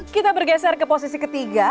kita bergeser ke posisi ketiga